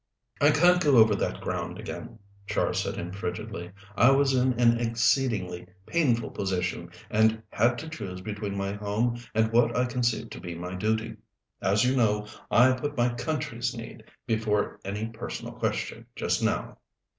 "I can't go over that ground again," Char told him frigidly. "I was in an exceedingly painful position, and had to choose between my home and what I conceived to be my duty. As you know, I put my country's need before any personal question just now."